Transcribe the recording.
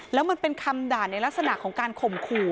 แล้วมันเป็นคำด่าในลักษณะของการข่มขู่